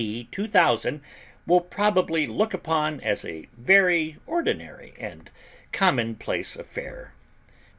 D. 2000 will possibly look upon as a very ordinary and common place affair.